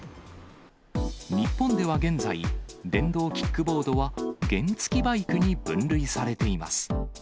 日本では現在、電動キックボードは原付きバイクに分類されています。